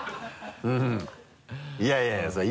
いやいやそりゃ